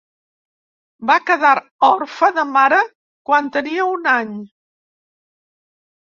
Va quedar orfe de mare quan tenia un any.